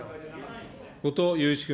後藤祐一君。